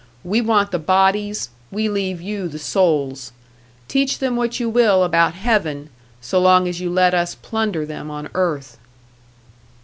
We want the bodies we leave you the souls! Teach them what you will about heaven so long as you let us plunder them on earth!"